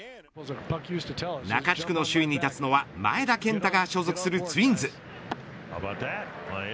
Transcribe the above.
中地区の首位に立つのは前田健太が所属するツインズ。